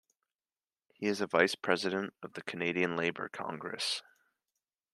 He is a vice-president of the Canadian Labour Congress.